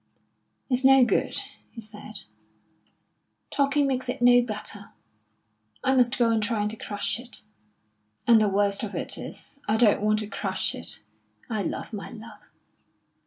"It's no good," he said; "talking makes it no better. I must go on trying to crush it. And the worst of it is, I don't want to crush it; I love my love.